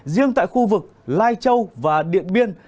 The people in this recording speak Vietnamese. riêng tại khu vực lai châu và điện biên